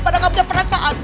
padahal gak punya perasaan